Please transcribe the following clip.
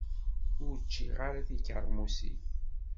Ur ččiɣ ara tikermusin.